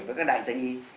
với các đại danh y